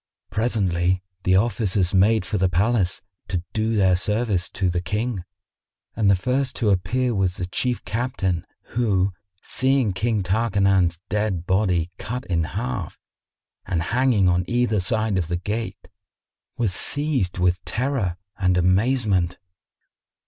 Presently, the Officers made for the palace, to do their service to the King, and the first to appear was the Chief Captain who, seeing King Tarkanan's dead body cut in half and hanging on either side of the gate, was seized with terror and amazement.